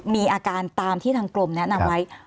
มีอาการตามที่ทางกรมแนะนำไว้